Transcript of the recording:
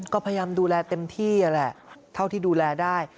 ก็พยายามดูแลเต็มที่แหละเท่าที่ดูแลได้